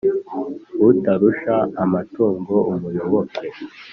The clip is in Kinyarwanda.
Utarusha amatungo umuyoboke,